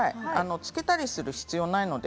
つけたりする必要はないので。